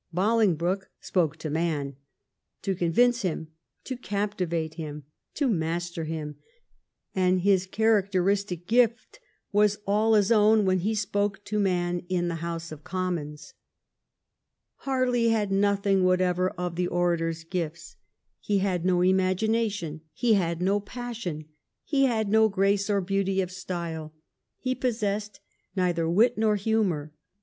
Bolingbroke spoke to man — to convince him, to captivate him, to master him — and his characteristic gift was all his own when he spoke to man in the House of Commons. Harley had nothing whatever of the orator's gifts. He had no imagination ; he had no passion ; he had no grace or beauty of style; he possessed neither wit nor humour.